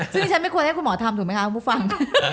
ซึ่งดิฉันไม่ควรให้คุณหมอทำถูกไหมคะคุณผู้ฟัง